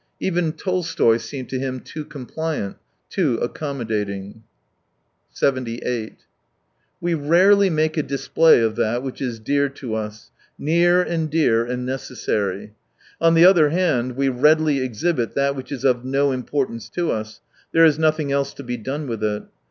Even Tolstoy seemed to him too compliant, too accommodating. 78 We rarely make a display of that which is dear to us, near and dear and necessary. On the other hand, we readily exhibit that w;hich is of no importance to us— there is nothing else to be done with it.